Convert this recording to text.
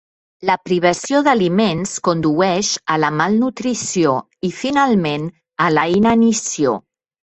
La privació d'aliments condueix a la malnutrició i, finalment, a la inanició.